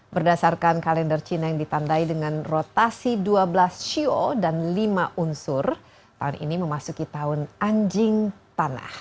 berdasarkan kalender cina yang ditandai dengan rotasi dua belas sio dan lima unsur tahun ini memasuki tahun anjing tanah